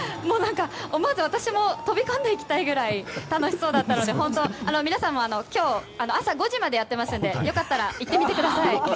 思わず私も飛び込んでいきたいくらい楽しそうだったので、本当皆さんも今日朝５時までやっていますのでよかったら行ってみてください。